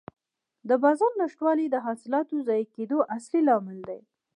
د بازار نشتوالی د حاصلاتو ضایع کېدو اصلي لامل دی.